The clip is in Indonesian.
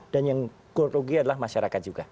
dan yang kurugi adalah masyarakat juga